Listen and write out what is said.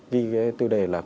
ghi cái tư đề là